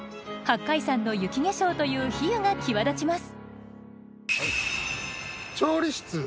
「八海山の雪化粧」という比喩が際立ちます。